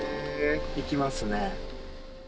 行きますね。